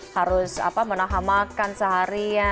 harus menahan makan seharian